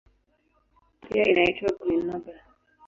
Pia inaitwa "Green Nobel".